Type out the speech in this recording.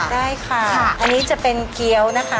ได้ค่ะอันนี้จะเป็นเกี้ยวนะคะ